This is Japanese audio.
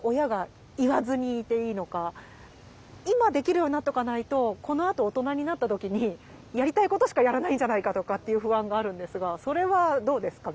今できるようになっとかないとこのあと大人になった時にやりたいことしかやらないんじゃないかとかっていう不安があるんですがそれはどうですか？